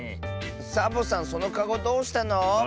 サボさんそのかごどうしたの？